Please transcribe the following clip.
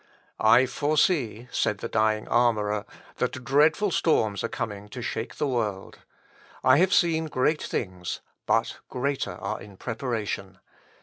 "I foresee," said the dying armourer, "that dreadful storms are coming to shake the world. I have seen great things, but greater are in preparation.